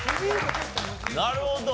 なるほど。